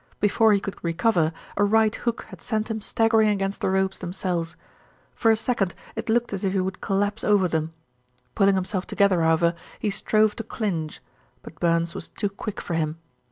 Before he could recover, a right hook had sent him staggering against the ropes themselves. For a second it looked as if he would collapse over them. Pulling himself together, however, he strove to clinch; but Burns was too quick for him.